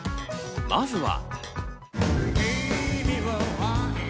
まずは。